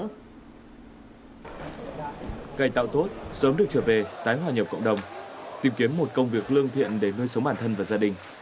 cà tạo tốt sớm được trở về tái hòa nhập cộng đồng tìm kiếm một công việc lương thiện để nuôi sống bản thân và gia đình